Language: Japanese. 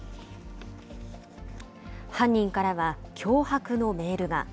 犯人からは脅迫のメールが。